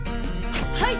はい！